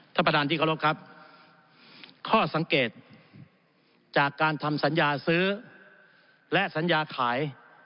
ท่านประธานที่เคารพครับข้อสังเกตจากการทำสัญญาซื้อและสัญญาขาย